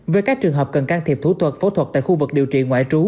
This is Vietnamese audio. với các trường hợp cần can thiệp thủ thuật phẫu thuật tại khu vực điều trị ngoại trú